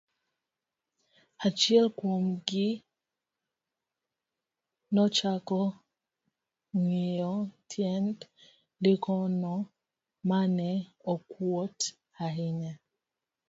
achiel kuom gi nochako ng'iyo tiend Likono ma ne okuot ahinya